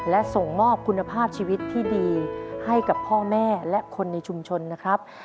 และส่งมอบคุณภาพชีวิตที่ดีให้กับพ่อแม่และคนในชุมชนนะครับ